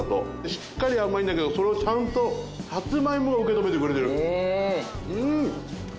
しっかり甘いんだけどそれをサツマイモが受け止めてくれてる。